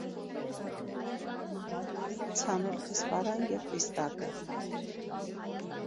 Ցանել քըզպարան եւ պիստակը։